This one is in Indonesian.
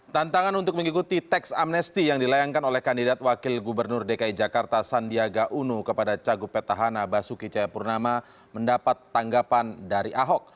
tantangan untuk mengikuti teks amnesti yang dilayangkan oleh kandidat wakil gubernur dki jakarta sandiaga uno kepada cagup petahana basuki cayapurnama mendapat tanggapan dari ahok